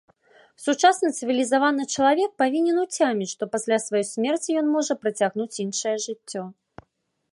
Сучасны цывілізаваны чалавек павінен уцяміць, што пасля сваёй смерці ён можа працягнуць іншае жыццё!